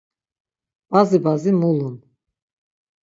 Bazi bazi mulun.